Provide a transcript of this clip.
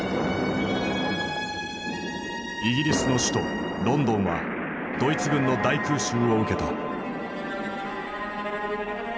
イギリスの首都ロンドンはドイツ軍の大空襲を受けた。